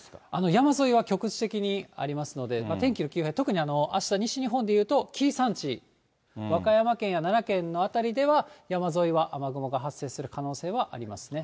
山沿いは局地的にありますので、天気の急変、特にあした西日本でいうと紀伊山地、和歌山県や奈良県の辺りでは、山沿いは雨雲が発生する可能性はありますね。